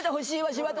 柴田。